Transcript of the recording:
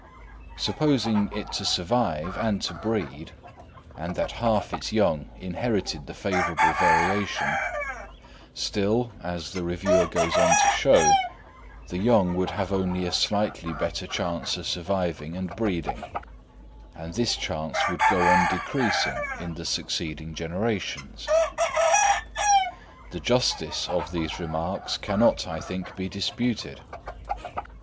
Supposing it to survive and to breed, and that half its young inherited the favourable variation; still, as the Reviewer goes onto show, the young would have only a slightly better chance of surviving and breeding; and this chance would go on decreasing in the succeeding generations. The justice of these remarks cannot, I think, be disputed.